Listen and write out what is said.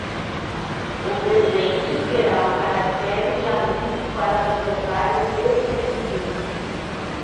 O presente terá um caractere de anúncio para proprietários desconhecidos.